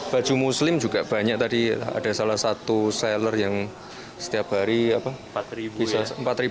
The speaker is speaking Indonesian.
baju muslim juga banyak tadi ada salah satu seller yang setiap hari empat pieces itu luar biasa sekali